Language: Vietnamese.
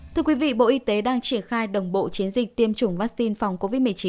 thưa quý vị bộ y tế đang triển khai đồng bộ chiến dịch tiêm chủng vaccine phòng covid một mươi chín